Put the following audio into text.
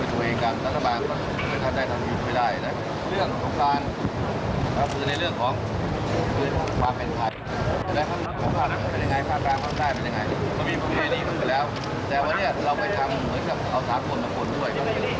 เราไปทำเหมือนจะเอา้าบนมาปลดด้วย